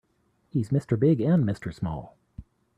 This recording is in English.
He's Mr. Big and Mr. Small.